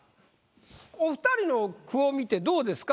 お二人の句を見てどうですか？